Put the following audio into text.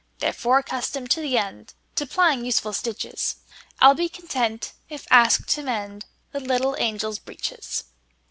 Therefore, accustomed to the endTo plying useful stitches,I 'll be content if asked to mendThe little angels' breeches.